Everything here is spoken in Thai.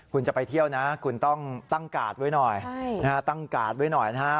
คุณจะไปเที่ยวนะคุณต้องตั้งกาดไว้หน่อยนะฮะตั้งกาดไว้หน่อยนะฮะ